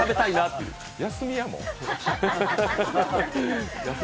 休みや、もう。